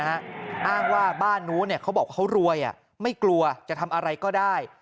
อ้างว่าบ้านนู้นเขาบอกเขารวยไม่กลัวจะทำอะไรก็ได้